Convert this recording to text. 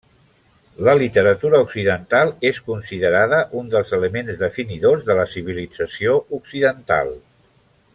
La literatura occidental és considerada un dels elements definidors de la civilització occidental.